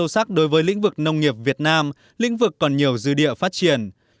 sâu sắc đối với lĩnh vực nông nghiệp việt nam lĩnh vực còn nhiều dư địa phát triển